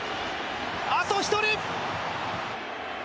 あと１人！